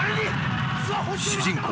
主人公